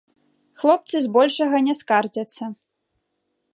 Хлопцы збольшага не скардзяцца.